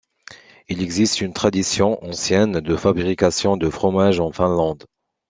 Il existe une tradition ancienne de fabrication de fromages en Finlande.